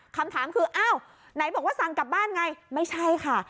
คำถามคืออ้าวไหนบอกว่าสั่งกลับบ้านไงไม่ใช่ค่ะ